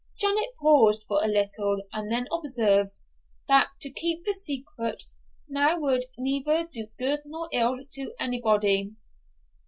Janet paused for a little; and then observed, that to keep the secret now would neither do good nor ill to anybody.